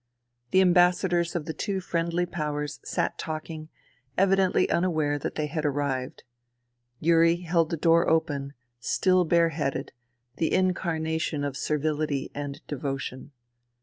The Ambassadors of the two friendly powers sat talking, evidently unaware that they had arrived. Yuri held the door open, still bare headed, the incarnation of servility and devotion.